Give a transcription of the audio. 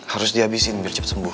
harus dihabisin biar cepat sembuh